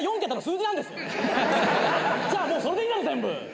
じゃあもうそれでいいだろ全部。